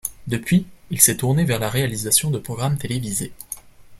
Depuis, il s'est tourné vers la réalisation de programmes télévisés.